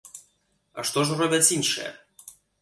А што ж робяць іншыя?